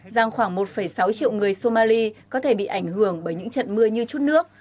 rằng khoảng một sáu triệu người somali có thể bị ảnh hưởng bởi những trận mưa như chút nước